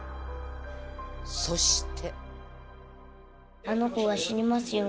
そして。